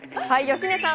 芳根さん